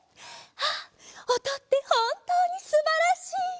ああおとってほんとうにすばらしい！